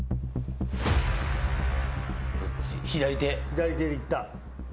左手でいった。